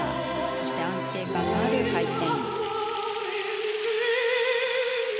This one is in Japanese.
そして、安定感のある回転。